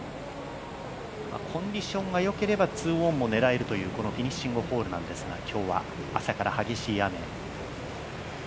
コンディションがよければ２オンも狙えるというこのフィニッシングホールなんですが今日は朝から激しい雨。